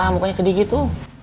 mukanya sedih gitu